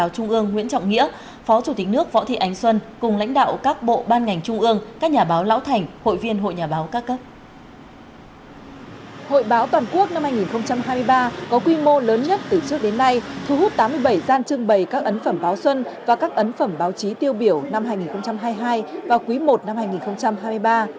thu hút tám mươi bảy gian trưng bày các ấn phẩm báo xuân và các ấn phẩm báo chí tiêu biểu năm hai nghìn hai mươi hai và quý i năm hai nghìn hai mươi ba